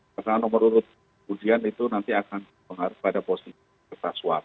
karena nomor urut kemudian itu nanti akan mengharus pada posisi persa suara